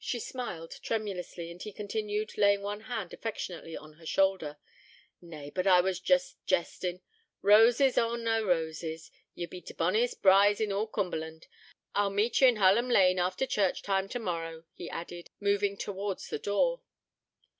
She smiled tremulously, and he continued, laying one hand affectionately on her shoulder: 'Nay, but I was but jestin'. Roses or na roses, ye'll be t' bonniest bride in all Coomberland. I'll meet ye in Hullam lane, after church time, tomorrow,' he added, moving towards the door.